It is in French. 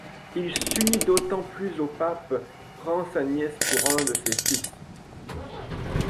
Il s'unit d'autant plus au pape, prend sa nièce pour un de ses fils.